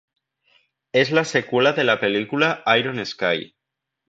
Es la secuela de la película "Iron Sky".